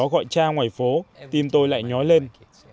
đứa trẻ đó gọi cha ngoài phố tim tôi lại nhói lên